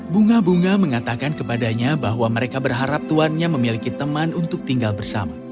bunga bunga mengatakan kepadanya bahwa mereka berharap tuannya memiliki teman untuk tinggal bersama